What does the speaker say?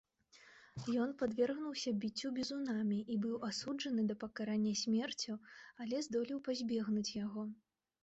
Ён падвергнуўся біццю бізунамі і быў асуджаны да пакарання смерцю, але здолеў пазбегнуць яго.